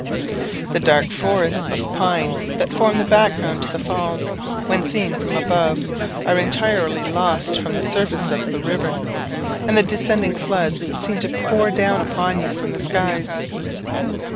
The dark forests of pine that form the background to the Falls, when seen from above, are entirely lost from the surface of the river, and the descending floods seem to pour down upon you from the skies.